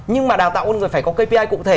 nhưng mà đào tạo con người phải có kpi cụ thể